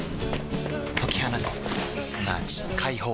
解き放つすなわち解放